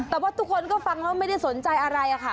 แต่ว่าทุกคนก็ฟังแล้วไม่ได้สนใจอะไรค่ะ